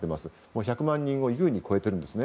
１００万人を優に超えてるんですね。